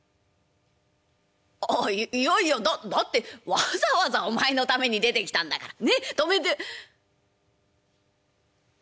「ああいやいやだってわざわざお前のために出てきたんだからねっ泊めて。